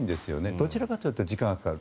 どちらかというと時間がかかる。